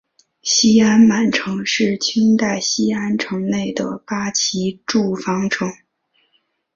西安满城是清代西安城内的八旗驻防城。